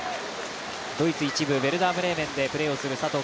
ドイツ１部でヴェルダー・ブレーメンでプレーをしています。